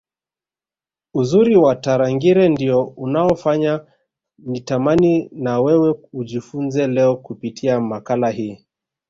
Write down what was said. Uzuri wa Tarangire ndio unaofanya nitamani na wewe ujifunze leo kupitia makala hii